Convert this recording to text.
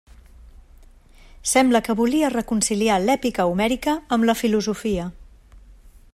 Sembla que volia reconciliar l'èpica homèrica amb la filosofia.